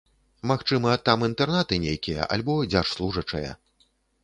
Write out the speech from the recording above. Магчыма, там інтэрнаты нейкія, альбо дзяржслужачыя.